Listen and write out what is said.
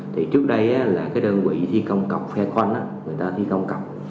thì trước đây là cái đơn vị thi công cọc phe khoanh á người ta thi công cọc